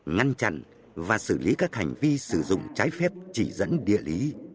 ngăn chặn và xử lý các hành vi sử dụng trái phép chỉ dẫn địa lý